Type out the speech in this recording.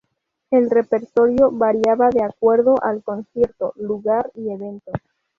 El repertorio variaba de acuerdo al concierto, lugar y evento.